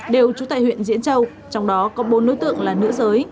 đều trú tại huyện diễn châu trong đó có bốn đối tượng là nữ giới